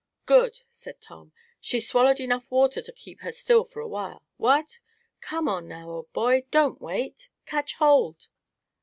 "Good!" said Tom. "She's swallowed enough water to keep her still for a while what? Come on, now, old boy! Don't wait! Catch hold!"